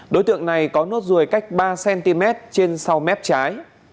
đối tượng này có nốt ruồi cách ba cm trên sau mép trái